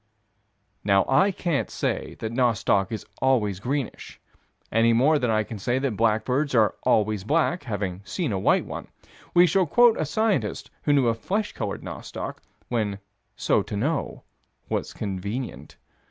Now, I can't say that nostoc is always greenish, any more than I can say that blackbirds are always black, having seen a white one: we shall quote a scientist who knew of flesh colored nostoc, when so to know was convenient.